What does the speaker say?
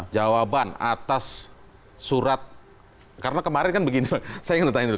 jawaban atas surat karena kemarin kan begini saya ingin ditanya dulu